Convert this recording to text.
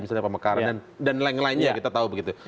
misalnya pemekaran dan lain lainnya kita tahu begitu